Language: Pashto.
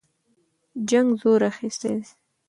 جنګ زور اخیستی دی.